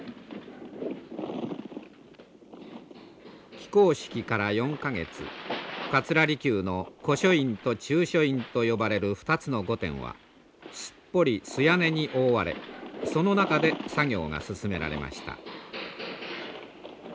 起工式から４か月桂離宮の古書院と中書院と呼ばれる２つの御殿はすっぽり素屋根に覆われその中で作業が進められました。